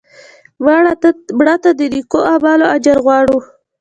مړه ته د نیکو عملونو اجر غواړو